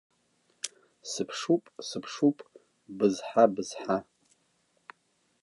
Сыԥшуп, сыԥшуп, бызҳа, бызҳа.